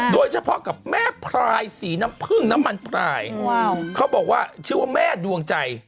โดยเฉพาะกับแม่พรายสีน้ำผึ้งน้ำมันพลายเขาบอกว่าชื่อว่าแม่ดวงใจ